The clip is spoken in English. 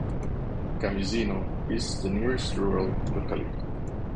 Kamyzino is the nearest rural locality.